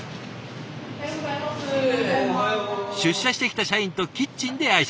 出社してきた社員とキッチンで挨拶。